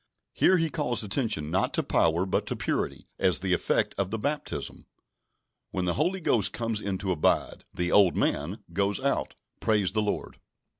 Here he calls attention not to power, but to purity, as the effect of the baptism. When the Holy Ghost comes in to abide, "the old man" goes out. Praise the Lord!